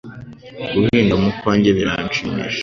Guhinga mu kwanjye biranshimisha.